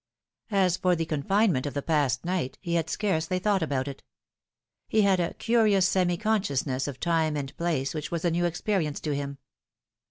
As for the confinement of the past night, he had scarcely thought about it. He had a curious semi consciousness of time and place which was a new experience to him.